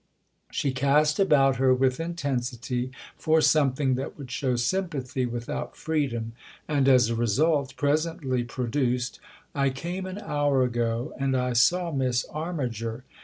She cast about her with intensity for something that would show sympathy without freedom, and, as a result, presently produced :" I came an hour ago, and I saw Miss Armiger.